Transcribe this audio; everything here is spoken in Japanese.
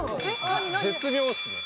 絶妙ですね。